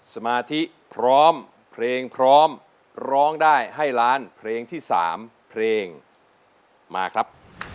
สมาธิพร้อมเพลงพร้อมร้องได้ให้ล้านเพลงที่๓เพลงมาครับ